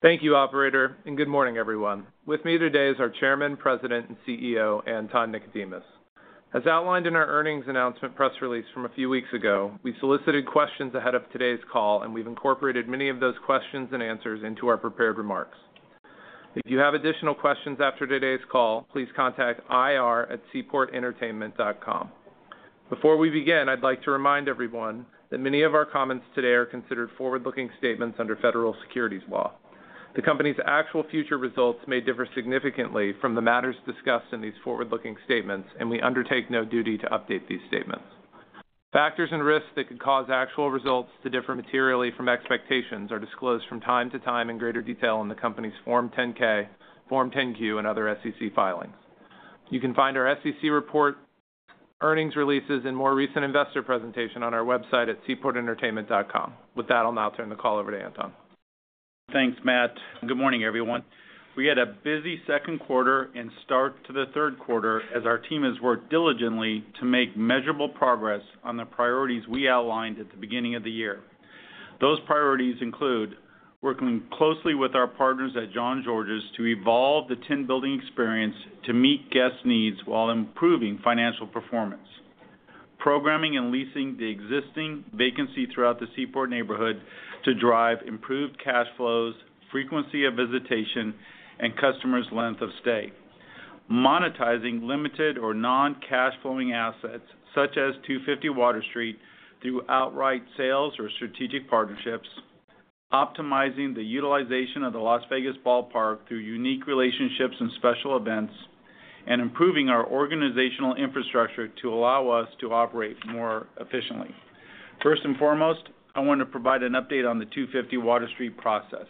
Thank you, Operator, and good morning, everyone. With me today is our Chairman, President, and CEO, Anton Nikodemus. As outlined in our earnings announcement press release from a few weeks ago, we solicited questions ahead of today's call, and we've incorporated many of those questions and answers into our prepared remarks. If you have additional questions after today's call, please contact ir@seaportentertainment.com. Before we begin, I'd like to remind everyone that many of our comments today are considered forward-looking statements under Federal Securities Law. The company's actual future results may differ significantly from the matters discussed in these forward-looking statements, and we undertake no duty to update these statements. Factors and risks that could cause actual results to differ materially from expectations are disclosed from time to time in greater detail in the company's Form 10-K, Form 10-Q, and other SEC filings. You can find our SEC report, earnings releases, and more recent investor presentation on our website at seaportentertainment.com. With that, I'll now turn the call over to Anton. Thanks, Matt. Good morning, everyone. We had a busy second quarter and start to the third quarter as our team has worked diligently to make measurable progress on the priorities we outlined at the beginning of the year. Those priorities include working closely with our partners at Jean-Georges to evolve the Tin Building experience to meet guest needs while improving financial performance, programming and leasing the existing vacancy throughout the Seaport neighborhood to drive improved cash flows, frequency of visitation, and customers' length of stay, monetizing limited or non-cash-flowing assets such as 250 Water Street through outright sales or strategic partnerships, optimizing the utilization of the Las Vegas Ballpark through unique relationships and special events, and improving our organizational infrastructure to allow us to operate more efficiently. First and foremost, I want to provide an update on the 250 Water Street process.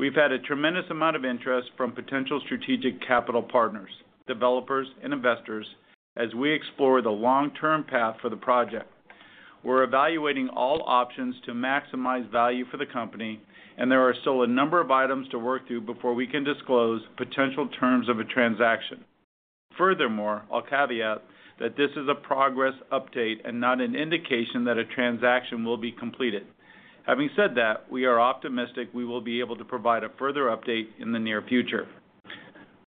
We've had a tremendous amount of interest from potential strategic capital partners, developers, and investors as we explore the long-term path for the project. We're evaluating all options to maximize value for the company, and there are still a number of items to work through before we can disclose potential terms of a transaction. Furthermore, I'll caveat that this is a progress update and not an indication that a transaction will be completed. Having said that, we are optimistic we will be able to provide a further update in the near future.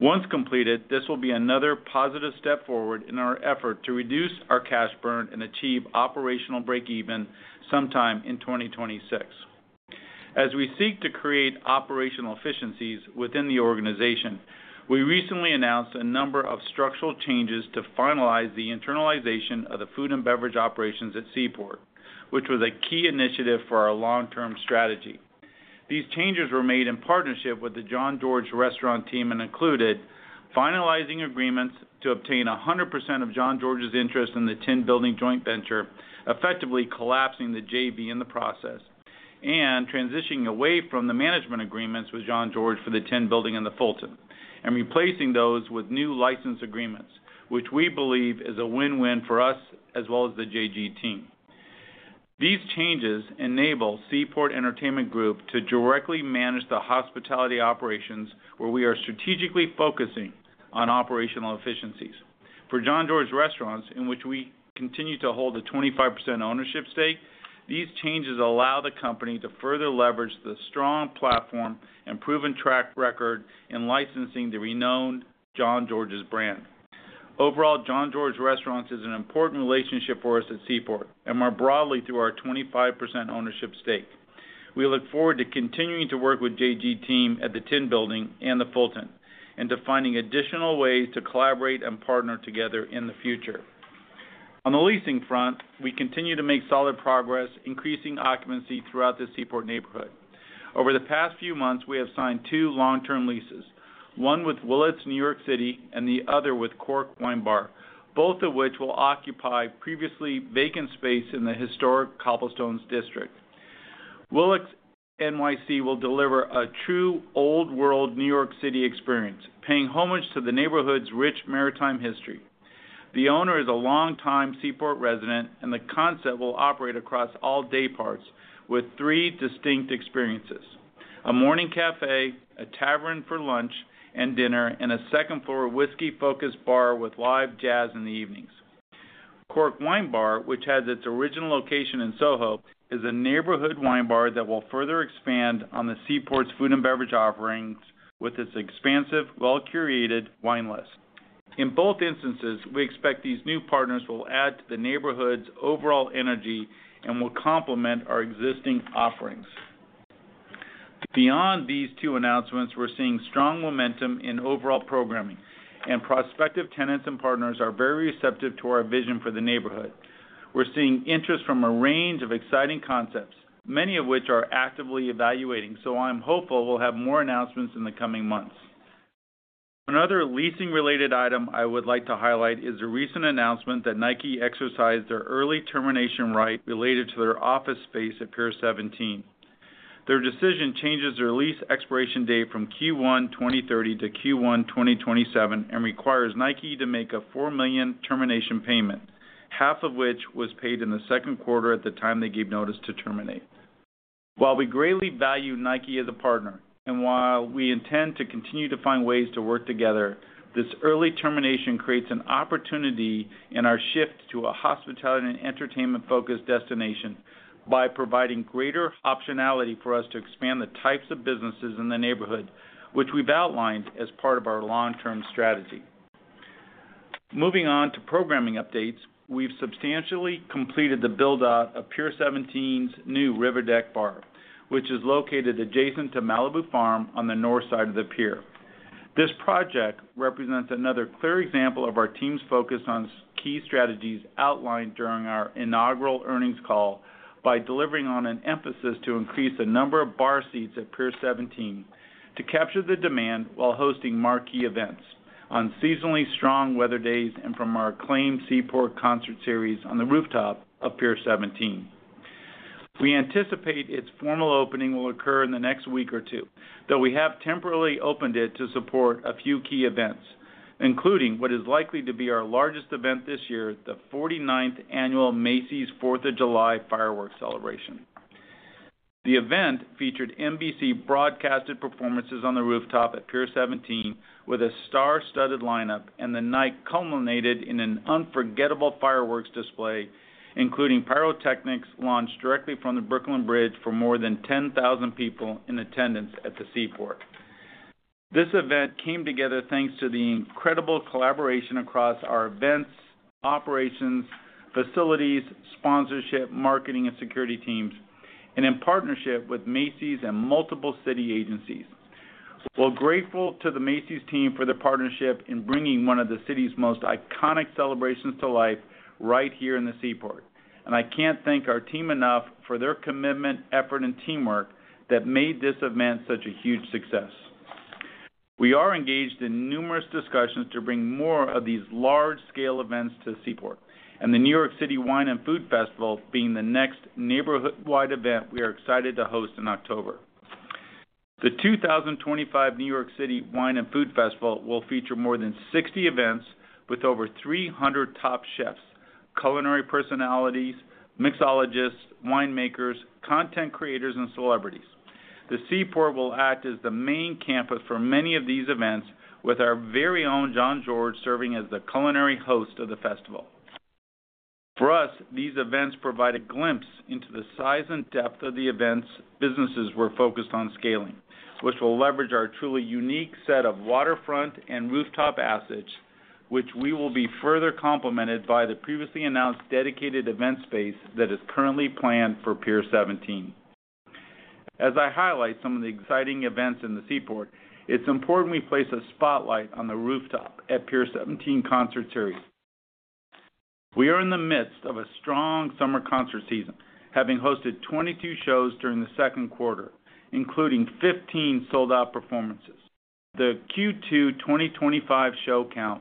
Once completed, this will be another positive step forward in our effort to reduce our cash burn and achieve operational breakeven sometime in 2026. As we seek to create operational efficiencies within the organization, we recently announced a number of structural changes to finalize the internalization of food and beverage operations at Seaport, which was a key initiative for our long-term strategy. These changes were made in partnership with the Jean-Georges Restaurants team and included finalizing agreements to obtain 100% of Jean-Georges' interest in the Tin Building joint venture, effectively collapsing the JV in the process, and transitioning away from the management agreements with Jean-Georges for the Tin Building and the Fulton, and replacing those with new license agreements, which we believe is a win-win for us as well as the JG team. These changes enable Seaport Entertainment Group to directly manage the hospitality operations where we are strategically focusing on operational efficiencies. For Jean-Georges Restaurants, in which we continue to hold a 25% ownership stake, these changes allow the company to further leverage the strong platform and proven track record in licensing the renowned Jean-Georges brand. Overall, Jean-Georges Restaurants is an important relationship for us at Seaport, and more broadly through our 25% ownership stake. We look forward to continuing to work with the JG team at the Tin Building and the Fulton and to finding additional ways to collaborate and partner together in the future. On the leasing front, we continue to make solid progress increasing occupancy throughout the Seaport neighborhood. Over the past few months, we have signed two long-term leases, one with Willett's New York City and the other with Cork Wine Bar, both of which will occupy previously vacant space in the historic Cobblestones District. Willett's NYC will deliver a true old-world New York City experience, paying homage to the neighborhood's rich maritime history. The owner is a long-time Seaport resident, and the concept will operate across all day parts with three distinct experiences: a morning cafe, a tavern for lunch and dinner, and a second-floor whiskey-focused bar with live jazz in the evenings. Cork Wine Bar, which has its original location in SoHo, is a neighborhood wine bar that will further expand on the Seaport's food and beverage offerings with its expansive, well-curated wine list. In both instances, we expect these new partners will add to the neighborhood's overall energy and will complement our existing offerings. Beyond these two announcements, we're seeing strong momentum in overall programming, and prospective tenants and partners are very receptive to our vision for the neighborhood. We're seeing interest from a range of exciting concepts, many of which are actively evaluating, so I'm hopeful we'll have more announcements in the coming months. Another leasing-related item I would like to highlight is the recent announcement that Nike exercised their early termination right related to their office space at Pier 17. Their decision changes their lease expiration date from Q1 2030 to Q1 2027 and requires Nike to make a $4 million termination payment, half of which was paid in the second quarter at the time they gave notice to terminate. While we greatly value Nike as a partner, and while we intend to continue to find ways to work together, this early termination creates an opportunity in our shift to a hospitality and entertainment-focused destination by providing greater optionality for us to expand the types of businesses in the neighborhood, which we've outlined as part of our long-term strategy. Moving on to programming updates, we've substantially completed the build-out of Pier 17's new river deck bar, which is located adjacent to Malibu Farm on the north side of the pier. This project represents another clear example of our team's focus on key strategies outlined during our inaugural earnings call by delivering on an emphasis to increase the number of bar seats at Pier 17 to capture the demand while hosting marquee events on seasonally strong weather days and from our acclaimed Seaport concert series on The Rooftop at Pier 17. We anticipate its formal opening will occur in the next week or two, though we have temporarily opened it to support a few key events, including what is likely to be our largest event this year, the 49th annual Macy’s 4th of July fireworks celebration. The event featured NBC broadcasted performances on The Rooftop at Pier 17 with a star-studded lineup, and the night culminated in an unforgettable fireworks display, including pyrotechnics launched directly from the Brooklyn Bridge for more than 10,000 people in attendance at the Seaport. This event came together thanks to the incredible collaboration across our events, operations, facilities, sponsorship, marketing, and security teams, and in partnership with Macy’s and multiple city agencies. We're grateful to the Macy’s team for their partnership in bringing one of the city's most iconic celebrations to life right here in the Seaport, and I can't thank our team enough for their commitment, effort, and teamwork that made this event such a huge success. We are engaged in numerous discussions to bring more of these large-scale events to Seaport, and the New York City Wine and Food Festival being the next neighborhood-wide event we are excited to host in October. The 2025 New York City Wine and Food Festival will feature more than 60 events with over 300 top chefs, culinary personalities, mixologists, winemakers, content creators, and celebrities. The Seaport will act as the main campus for many of these events, with our very own Jean-Georges serving as the culinary host of the festival. For us, these events provide a glimpse into the size and depth of the events businesses we're focused on scaling, which will leverage our truly unique set of waterfront and rooftop assets, which will be further complemented by the previously announced dedicated event space that is currently planned for Pier 17. As I highlight some of the exciting events in the Seaport, it's important we place a spotlight on The Rooftop at Pier 17 concert series. We are in the midst of a strong summer concert season, having hosted 22 shows during the second quarter, including 15 sold-out performances. The Q2 2025 show count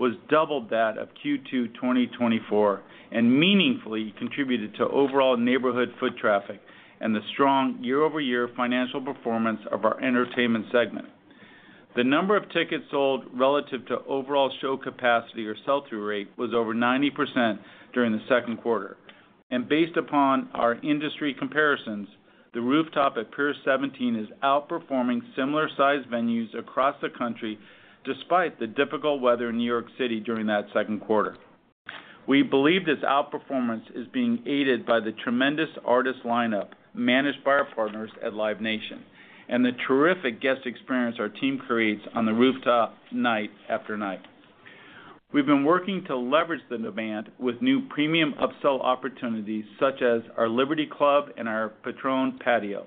was double that of Q2 2024 and meaningfully contributed to overall neighborhood foot traffic and the strong year-over-year financial performance of our entertainment segment. The number of tickets sold relative to overall show capacity or sell-through rate was over 90% during the second quarter, and based upon our industry comparisons, The Rooftop at Pier 17 is outperforming similar-sized venues across the country despite the difficult weather in New York City during that second quarter. We believe this outperformance is being aided by the tremendous artist lineup managed by our partners at Live Nation and the terrific guest experience our team creates on the rooftop night after night. We've been working to leverage the demand with new premium upsell opportunities such as our Liberty Club and our Patrón Patio.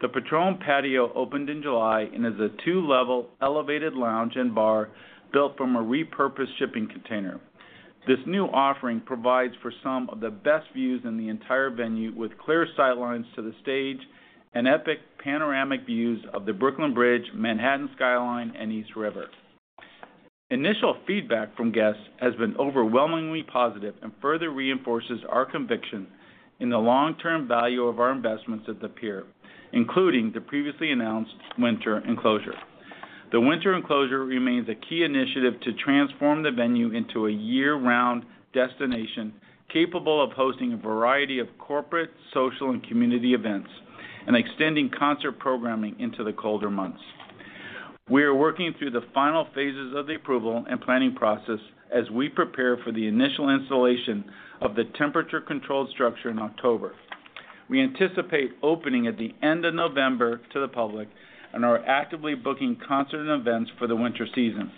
The Patrón Patio opened in July and is a two-level elevated lounge and bar built from a repurposed shipping container. This new offering provides for some of the best views in the entire venue, with clear sightlines to the stage and epic panoramic views of the Brooklyn Bridge, Manhattan Skyline, and East River. Initial feedback from guests has been overwhelmingly positive and further reinforces our conviction in the long-term value of our investments at the pier, including the previously announced winter enclosure. The winter enclosure remains a key initiative to transform the venue into a year-round destination capable of hosting a variety of corporate, social, and community events and extending concert programming into the colder months. We are working through the final phases of the approval and planning process as we prepare for the initial installation of the temperature-controlled structure in October. We anticipate opening at the end of November to the public and are actively booking concerts and events for the winter season.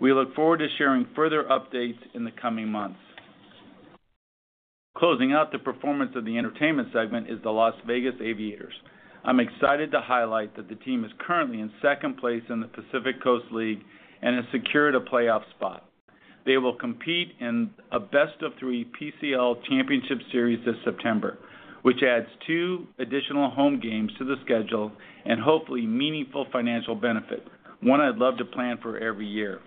We look forward to sharing further updates in the coming months. Closing out the performance of the entertainment segment is the Las Vegas Aviators. I'm excited to highlight that the team is currently in second place in the Pacific Coast League and has secured a playoff spot. They will compete in a Best of Three PCL Championship Series this September, which adds two additional home games to the schedule and hopefully meaningful financial benefit, one I'd love to plan for every year.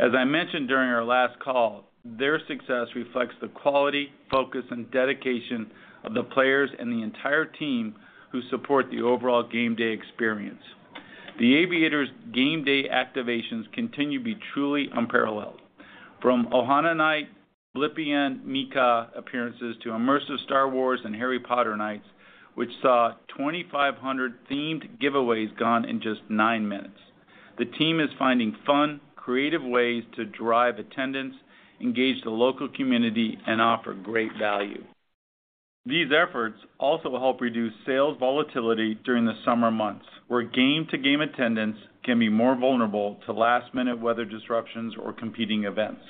As I mentioned during our last call, their success reflects the quality, focus, and dedication of the players and the entire team who support the overall game day experience. The Aviators' game day activations continue to be truly unparalleled. From Ohana Night, Blippi and Meekah appearances, to immersive Star Wars and Harry Potter nights, which saw 2,500 themed giveaways gone in just nine minutes, the team is finding fun, creative ways to drive attendance, engage the local community, and offer great value. These efforts also help reduce sales volatility during the summer months, where game-to-game attendance can be more vulnerable to last-minute weather disruptions or competing events.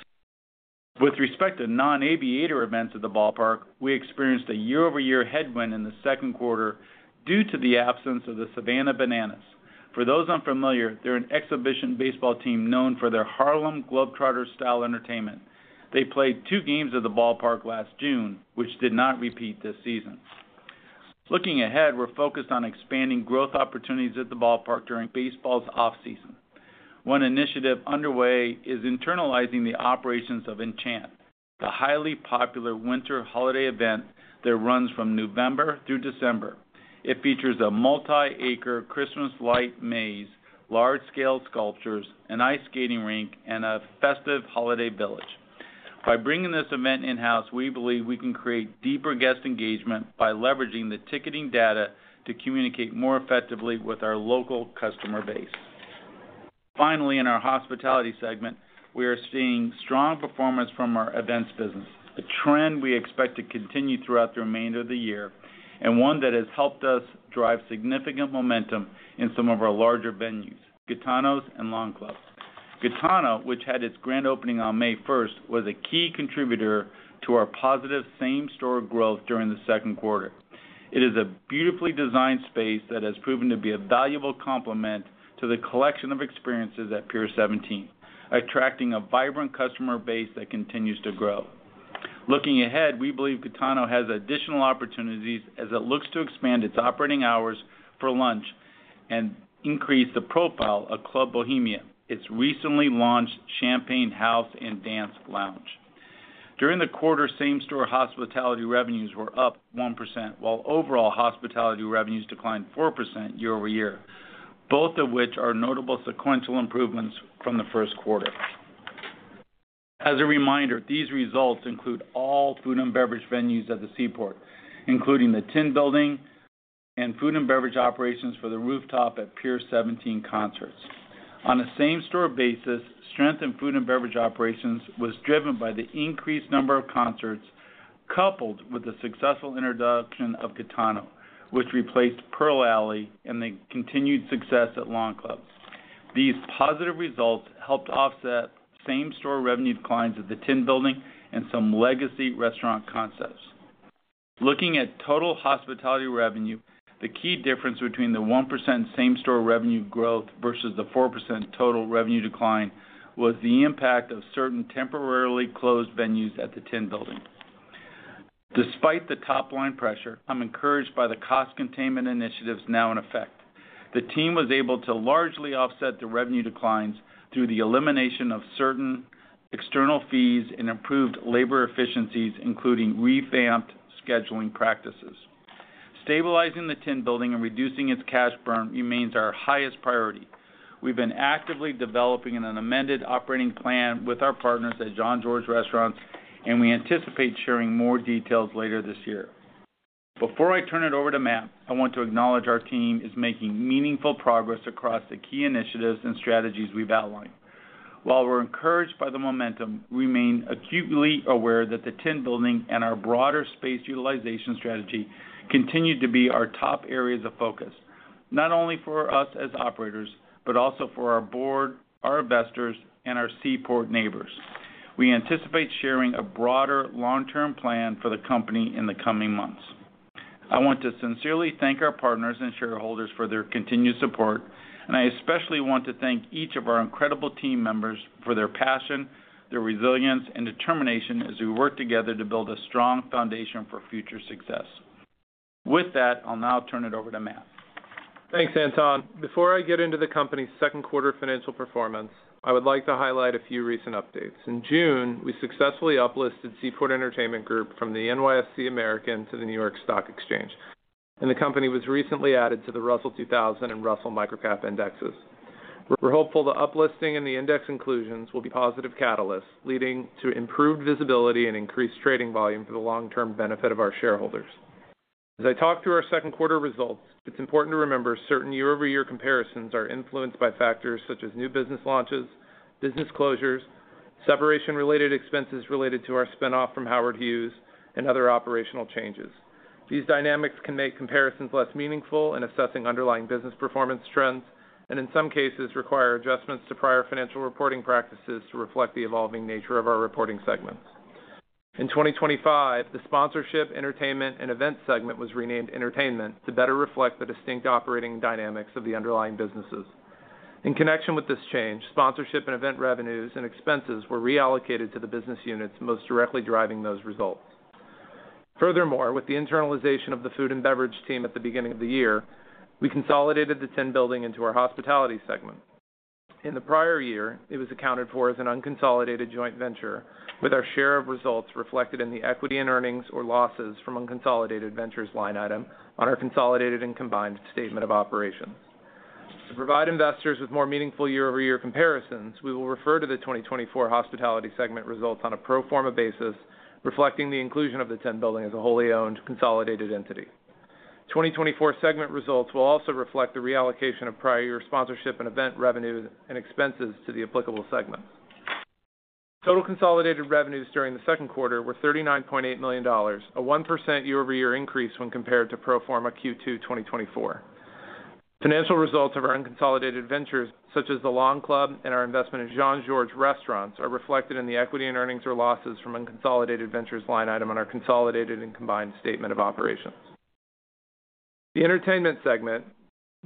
With respect to non-Aviator events at the Las Vegas Ballpark, we experienced a year-over-year headwind in the second quarter due to the absence of the Savannah Bananas. For those unfamiliar, they're an exhibition baseball team known for their Harlem Globetrotter-style entertainment. They played two games at the Ballpark last June, which did not repeat this season. Looking ahead, we're focused on expanding growth opportunities at the Ballpark during baseball's offseason. One initiative underway is internalizing the operations of Enchanted, the highly popular winter holiday event that runs from November through December. It features a multi-acre Christmas light maze, large-scale sculptures, an ice skating rink, and a festive holiday village. By bringing this event in-house, we believe we can create deeper guest engagement by leveraging the ticketing data to communicate more effectively with our local customer base. Finally, in our hospitality segment, we are seeing strong performance from our events business, a trend we expect to continue throughout the remainder of the year and one that has helped us drive significant momentum in some of our larger venues, GITANO and Lawn Club's. GITANO, which had its grand opening on May 1, was a key contributor to our positive same-store growth during the second quarter. It is a beautifully designed space that has proven to be a valuable complement to the collection of experiences at Pier 17, attracting a vibrant customer base that continues to grow. Looking ahead, we believe GITANO has additional opportunities as it looks to expand its operating hours for lunch and increase the profile of Club Bohemia, its recently launched Champagne House and Dance Lounge. During the quarter, same-store hospitality revenues were up 1%, while overall hospitality revenues declined 4% year over year, both of which are notable sequential improvements from the first quarter. As a reminder, these results include all food and beverage venues at the Seaport, including the Tin Building and food and beverage operations for The Rooftop at Pier 17 concerts. On a same-store basis, strength in food and beverage operations was driven by the increased number of concerts coupled with the successful introduction of GITANO, which replaced Pearl Alley, and the continued success at Lawn Club's. These positive results helped offset same-store revenue declines at the Tin Building and some legacy restaurant concepts. Looking at total hospitality revenue, the key difference between the 1% same-store revenue growth versus the 4% total revenue decline was the impact of certain temporarily closed venues at the Tin Building. Despite the top-line pressure, I'm encouraged by the cost containment initiatives now in effect. The team was able to largely offset the revenue declines through the elimination of certain external fees and improved labor efficiencies, including revamped scheduling practices. Stabilizing the Tin Building and reducing its cash burn remains our highest priority. We've been actively developing an amended operating plan with our partners at Jean-Georges Restaurants, and we anticipate sharing more details later this year. Before I turn it over to Matt, I want to acknowledge our team is making meaningful progress across the key initiatives and strategies we've outlined. While we're encouraged by the momentum, we remain acutely aware that the Tin Building and our broader space utilization strategy continue to be our top areas of focus, not only for us as operators, but also for our board, our investors, and our Seaport neighbors. We anticipate sharing a broader long-term plan for the company in the coming months. I want to sincerely thank our partners and shareholders for their continued support, and I especially want to thank each of our incredible team members for their passion, their resilience, and determination as we work together to build a strong foundation for future success. With that, I'll now turn it over to Matt. Thanks, Anton. Before I get into the company's second quarter financial performance, I would like to highlight a few recent updates. In June, we successfully uplisted Seaport Entertainment Group from the NYSE American to the New York Stock Exchange, and the company was recently added to the Russell 2000 and Russell Microcap Indexes. We're hopeful the uplisting and the index inclusions will be positive catalysts, leading to improved visibility and increased trading volume for the long-term benefit of our shareholders. As I talk through our second quarter results, it's important to remember certain year-over-year comparisons are influenced by factors such as new business launches, business closures, separation-related expenses related to our spin-off from Howard Hughes, and other operational changes. These dynamics can make comparisons less meaningful in assessing underlying business performance trends, and in some cases require adjustments to prior financial reporting practices to reflect the evolving nature of our reporting segments. In 2025, the sponsorship, entertainment, and events segment was renamed Entertainment to better reflect the distinct operating dynamics of the underlying businesses. In connection with this change, sponsorship and event revenues and expenses were reallocated to the business units most directly driving those results. Furthermore, with the internalization of food and beverage operations at the beginning of the year, we consolidated the Tin Building into our hospitality segment. In the prior year, it was accounted for as an unconsolidated joint venture, with our share of results reflected in the equity in earnings or losses from unconsolidated ventures line item on our consolidated and combined statement of operations. To provide investors with more meaningful year-over-year comparisons, we will refer to the 2024 hospitality segment results on a pro forma basis, reflecting the inclusion of the Tin Building as a wholly owned consolidated entity. 2024 segment results will also reflect the reallocation of prior year sponsorship and event revenues and expenses to the applicable segments. Total consolidated revenues during the second quarter were $39.8 million, a 1% year-over-year increase when compared to pro forma Q2 2024. Financial results of our unconsolidated ventures, such as the Lawn Club and our investment in Jean-Georges Restaurants, are reflected in the equity in earnings or losses from unconsolidated ventures line item on our consolidated and combined statement of operations. The entertainment segment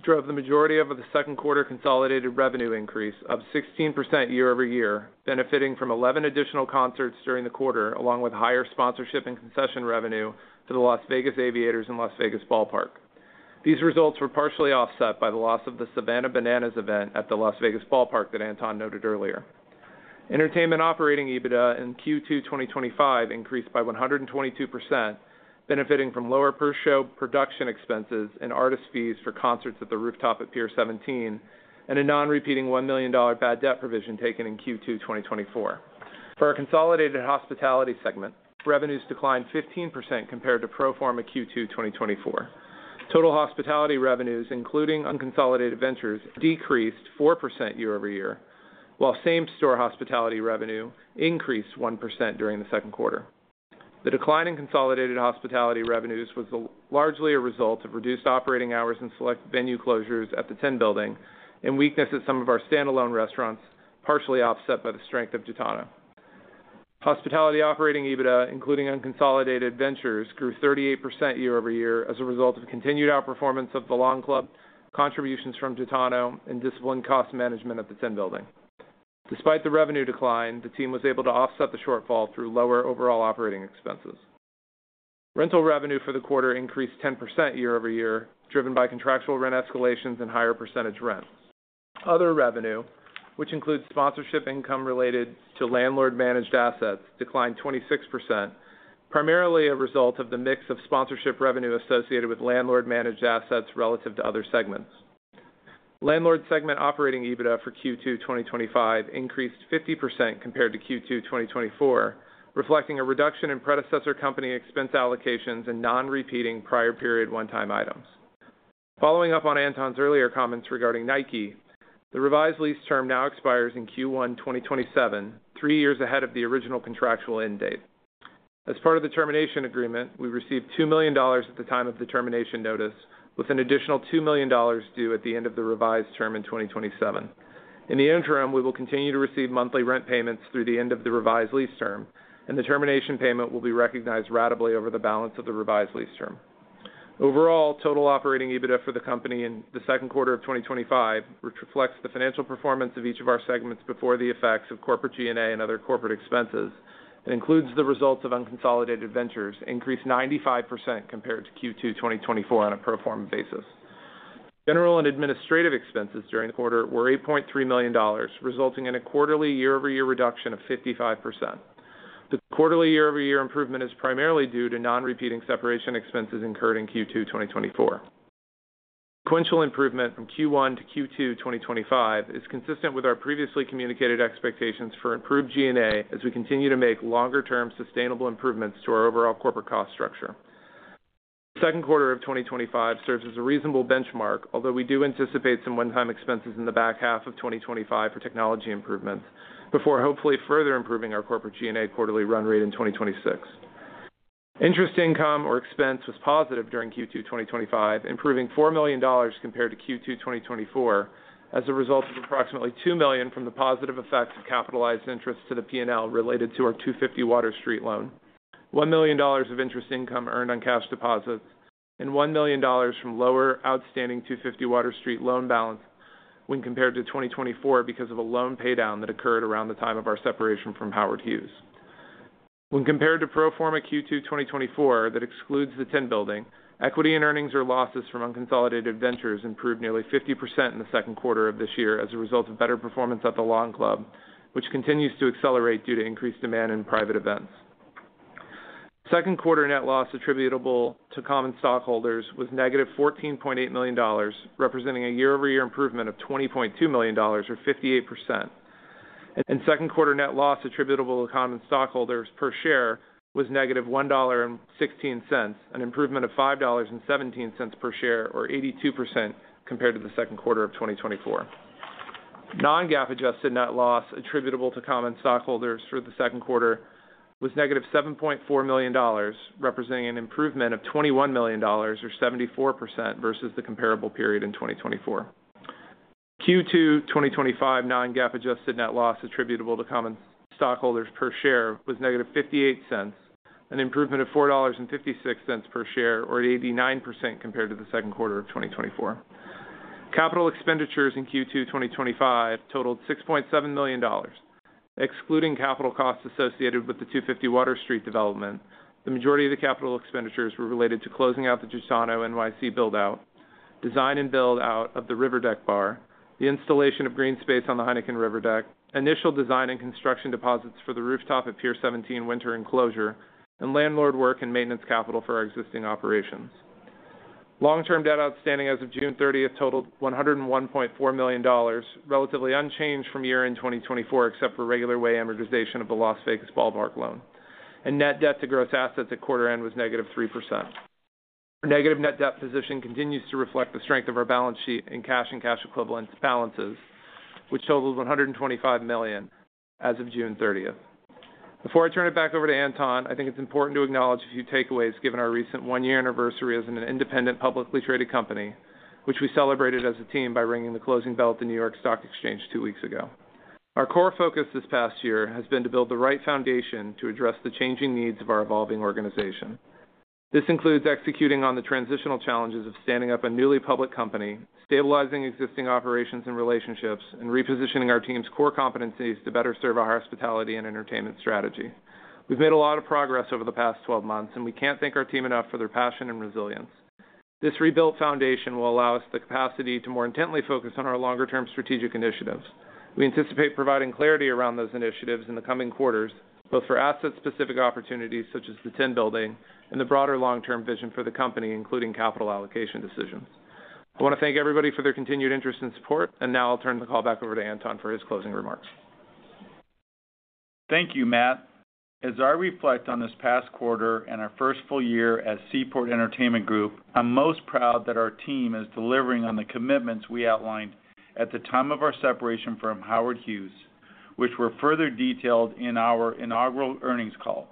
drove the majority of the second quarter consolidated revenue increase of 16% year-over-year, benefiting from 11 additional concerts during the quarter, along with higher sponsorship and concession revenue to the Las Vegas Aviators and Las Vegas Ballpark. These results were partially offset by the loss of the Savannah Bananas event at the Las Vegas Ballpark that Anton noted earlier. Entertainment operating EBITDA in Q2 2025 increased by 122%, benefiting from lower per-show production expenses and artist fees for concerts at The Rooftop at Pier 17, and a non-repeating $1 million bad debt provision taken in Q2 2024. For our consolidated hospitality segment, revenues declined 15% compared to pro forma Q2 2024. Total hospitality revenues, including unconsolidated ventures, decreased 4% year-over-year, while same-store hospitality revenue increased 1% during the second quarter. The decline in consolidated hospitality revenues was largely a result of reduced operating hours and select venue closures at the Tin Building and weakness at some of our standalone restaurants, partially offset by the strength of GITANO. Hospitality operating EBITDA, including unconsolidated ventures, grew 38% year-over-year as a result of continued outperformance of the Lawn Club, contributions from GITANO, and disciplined cost management at the Tin Building. Despite the revenue decline, the team was able to offset the shortfall through lower overall operating expenses. Rental revenue for the quarter increased 10% year-over-year, driven by contractual rent escalations and higher percentage rent. Other revenue, which includes sponsorship income related to landlord-managed assets, declined 26%, primarily a result of the mix of sponsorship revenue associated with landlord-managed assets relative to other segments. Landlord segment operating EBITDA for Q2 2025 increased 50% compared to Q2 2024, reflecting a reduction in predecessor company expense allocations and non-repeating prior-period one-time items. Following up on Anton's earlier comments regarding Nike, the revised lease term now expires in Q1 2027, three years ahead of the original contractual end date. As part of the termination agreement, we received $2 million at the time of the termination notice, with an additional $2 million due at the end of the revised term in 2027. In the interim, we will continue to receive monthly rent payments through the end of the revised lease term, and the termination payment will be recognized ratably over the balance of the revised lease term. Overall, total operating EBITDA for the company in the second quarter of 2025 reflects the financial performance of each of our segments before the effects of corporate G&A and other corporate expenses and includes the results of unconsolidated ventures, increased 95% compared to Q2 2024 on a pro forma basis. General and administrative expenses during the quarter were $8.3 million, resulting in a quarterly year-over-year reduction of 55%. The quarterly year-over-year improvement is primarily due to non-repeating separation expenses incurred in Q2 2024. Sequential improvement from Q1 to Q2 2025 is consistent with our previously communicated expectations for improved G&A as we continue to make longer-term sustainable improvements to our overall corporate cost structure. The second quarter of 2025 serves as a reasonable benchmark, although we do anticipate some one-time expenses in the back half of 2025 for technology improvements before hopefully further improving our corporate G&A quarterly run rate in 2026. Interest income or expense was positive during Q2 2025, improving $4 million compared to Q2 2024 as a result of approximately $2 million from the positive effects of capitalized interest to the P&L related to our 250 Water Street loan, $1 million of interest income earned on cash deposits, and $1 million from lower outstanding 250 Water Street loan balance when compared to 2024 because of a loan paydown that occurred around the time of our separation from Howard Hughes. When compared to pro forma Q2 2024 that excludes the Tin Building, equity in earnings or losses from unconsolidated ventures improved nearly 50% in the second quarter of this year as a result of better performance at the Lawn Club, which continues to accelerate due to increased demand in private events. Second quarter net loss attributable to common stockholders was negative $14.8 million, representing a year-over-year improvement of $20.2 million or 58%. Second quarter net loss attributable to common stockholders per share was negative $1.16, an improvement of $5.17 per share or 82% compared to the second quarter of 2024. Non-GAAP adjusted net loss attributable to common stockholders through the second quarter was -$7.4 million, representing an improvement of $21 million or 74% versus the comparable period in 2024. Q2 2025 non-GAAP adjusted net loss attributable to common stockholders per share was -$0.58, an improvement of $4.56 per share or 89% compared to the second quarter of 2024. Capital expenditures in Q2 2025 totaled $6.7 million. Excluding capital costs associated with the 250 Water Street development, the majority of the capital expenditures were related to closing out the GITANO build-out, design and build-out of the river deck bar, the installation of green space on the Heineken River deck, initial design and construction deposits for The Rooftop at Pier 17 winter enclosure, and landlord work and maintenance capital for our existing operations. Long-term debt outstanding as of June 30th totaled $101.4 million, relatively unchanged from year-end 2024 except for regular way amortization of the Las Vegas Ballpark loan, and net debt to gross assets at quarter-end was -3%. Our negative net debt position continues to reflect the strength of our balance sheet and cash and cash equivalents balances, which totaled $125 million as of June 30th. Before I turn it back over to Anton, I think it's important to acknowledge a few takeaways given our recent one-year anniversary as an independent publicly traded company, which we celebrated as a team by ringing the closing bell at the New York Stock Exchange two weeks ago. Our core focus this past year has been to build the right foundation to address the changing needs of our evolving organization. This includes executing on the transitional challenges of standing up a newly public company, stabilizing existing operations and relationships, and repositioning our team's core competencies to better serve our hospitality and entertainment strategy. We've made a lot of progress over the past 12 months, and we can't thank our team enough for their passion and resilience. This rebuilt foundation will allow us the capacity to more intently focus on our longer-term strategic initiatives. We anticipate providing clarity around those initiatives in the coming quarters, both for asset-specific opportunities such as the Tin Building and the broader long-term vision for the company, including capital allocation decisions. I want to thank everybody for their continued interest and support, and now I'll turn the call back over to Anton for his closing remarks. Thank you, Matt. As I reflect on this past quarter and our first full year as Seaport Entertainment Group, I'm most proud that our team is delivering on the commitments we outlined at the time of our separation from Howard Hughes, which were further detailed in our inaugural earnings call.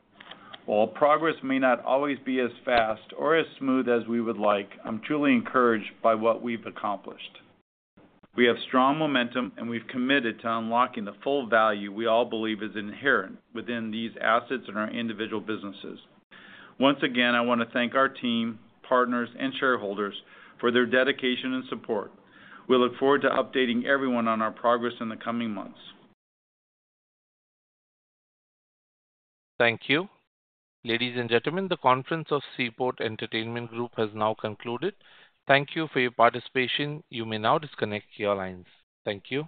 While progress may not always be as fast or as smooth as we would like, I'm truly encouraged by what we've accomplished. We have strong momentum, and we've committed to unlocking the full value we all believe is inherent within these assets and our individual businesses. Once again, I want to thank our team, partners, and shareholders for their dedication and support. We look forward to updating everyone on our progress in the coming months. Thank you. Ladies and gentlemen, the conference of Seaport Entertainment Group has now concluded. Thank you for your participation. You may now disconnect your lines. Thank you.